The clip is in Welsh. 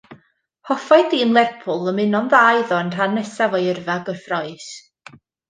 Hoffai dîm Lerpwl ddymuno'n dda iddo yn rhan nesaf o'i yrfa gyffrous.